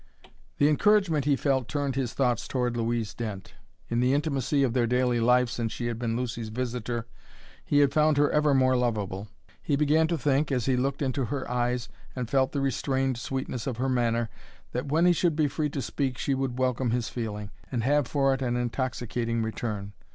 The encouragement he felt turned his thoughts toward Louise Dent. In the intimacy of their daily life since she had been Lucy's visitor he had found her ever more lovable. He began to think, as he looked into her eyes and felt the restrained sweetness of her manner, that when he should be free to speak she would welcome his feeling, and have for it an intoxicating return.